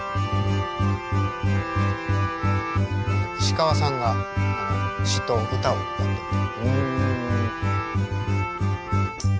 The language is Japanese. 石川さんが詩と歌をやってて。